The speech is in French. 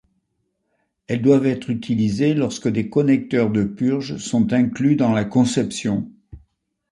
Elles doivent être utilisées lorsque des connecteurs de purge sont inclus dans la conception.